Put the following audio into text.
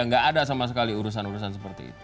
nggak ada sama sekali urusan urusan seperti itu